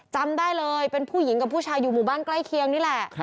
จำได้เลยเป็นผู้หญิงกับผู้ชายอยู่หมู่บ้านใกล้เคียงนี่แหละ